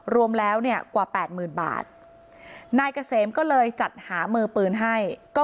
รวมแล้วเนี่ยกว่า๘๐๐๐๐บาทนายกะเสมก็เลยจัดหามือปืนให้ก็